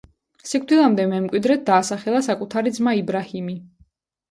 სიკვდილამდე მემკვიდრედ დაასახელა საკუთარი ძმა იბრაჰიმი.